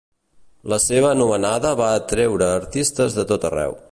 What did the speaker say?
La seva anomenada va atreure artistes de tot arreu.